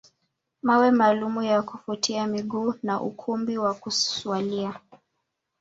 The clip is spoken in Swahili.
Mawe maalumu ya kufutia miguu na ukumbi wa kuswalia